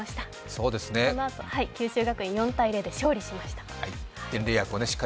このあと九州学院、４−０で勝利しました。